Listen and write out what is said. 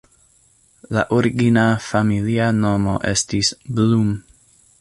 Lia origina familia nomo estis "Blum".